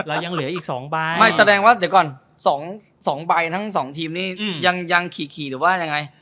เรายังเหลืออีก๒ใบไม่แสดงว่าเดี๋ยวก่อน๒ใบทั้งสองทีมนี้ยังขี่หรือว่ายังไง